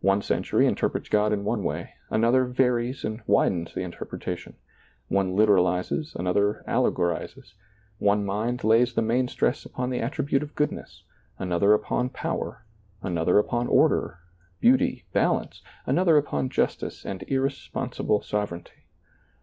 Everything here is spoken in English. One century interprets God in one way, another varies and widens the interpretation ; one literalizes, another allegorizes ; one mind lays the main stress upon the attribute of goodness, another upon power, another upon order, beauty, balance, an other upon justice and irresponsible sovereignty.